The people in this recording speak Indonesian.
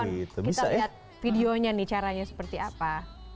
kita lihat videonya nih caranya seperti apa